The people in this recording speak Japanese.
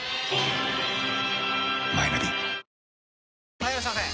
・はいいらっしゃいませ！